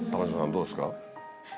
どうですか？